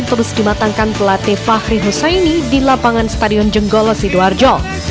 terus dimatangkan pelatih fahri husaini di lapangan stadion jenggolo sidoarjo